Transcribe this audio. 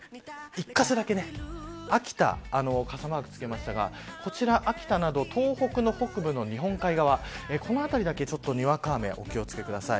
一か所だけ、秋田傘マーク付けましたがこちら秋田など東北の北部の日本海側この辺りだけにわか雨にお気を付けください。